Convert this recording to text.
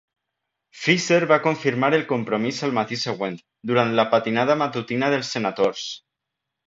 Fisher va confirmar el compromís al matí següent durant la patinada matutina dels Senators.